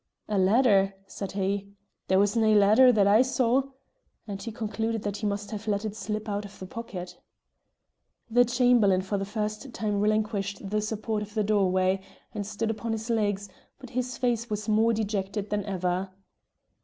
"A letter!" said he; "there was nae letter that I saw;" and he concluded that he must have let it slip out of the pocket. The Chamberlain for the first time relinquished the support of the doorway, and stood upon his legs, but his face was more dejected than ever.